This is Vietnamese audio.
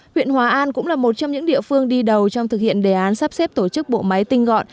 huyện hòa an cũng là một trong những địa phương đi đầu trong thực hiện đề án sắp xếp tổ chức bộ máy tinh gọn